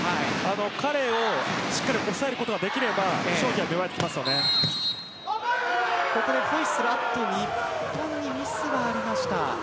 彼をしっかり抑えることができれば日本にミスがありました。